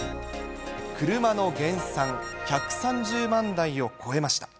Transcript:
車の減産１３０万台を超えました。